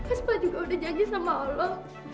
espa juga udah janji sama allah